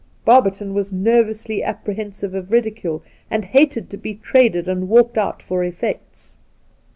Barberton was nervously apprehensive of ridicule, and hated to be traded and walked out for eflfects.